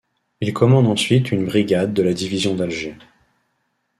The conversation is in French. Il commande ensuite une brigade de la division d’Alger.